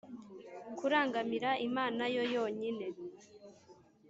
kurangamira Imana yo yonyine.